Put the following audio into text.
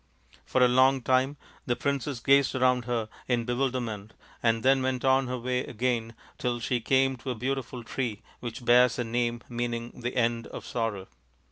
For a long time the princess gazed around her in bewilderment and then went on her way again till she came to a beauti ful tree which bears a name meaning " the end of sorrow."